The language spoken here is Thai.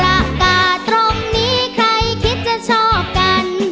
อากาศตรงนี้ใครคิดจะชอบกัน